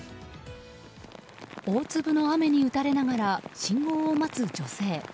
大粒の雨に打たれながら信号を待つ女性。